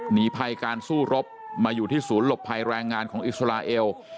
หนีภัยการสู้รบมาอยู่ที่ศูนย์หลบภัยแรงงานของอิสราเอล